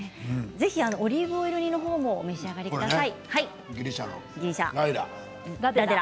オリーブオイル煮のほうも召し上がってください。